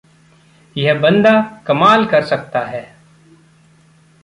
यह बंदा कमाल कर सकता है।